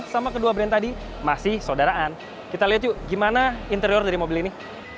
sama kedua brand tadi masih saudaraan kita lihat yuk gimana interior dari mobil ini